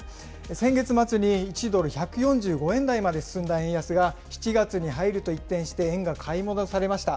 先月末に１ドル１４５円台まで進んだ円安が、７月に入ると一転して円が買い戻されました。